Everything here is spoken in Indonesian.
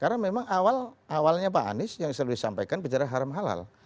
karena memang awalnya pak anies yang selalu disampaikan bicara haram halal